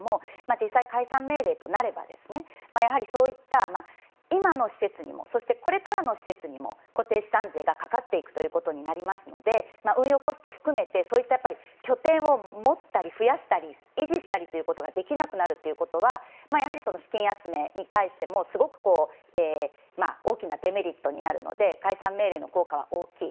実際、解散命令となればそういった今の施設にもそして、これからの施設にも固定資産税がかかっていくということになりますので運用コストを含めて拠点を持ったり増やしたり維持したりということができなくなるということはやはり資金集めに対してもすごく大きなデメリットになるので解散命令の効果は大きい。